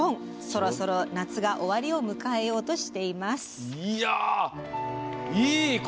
そろそろ夏が終わりを迎えようとしています。